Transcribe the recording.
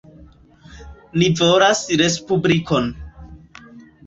Ni volas respublikon.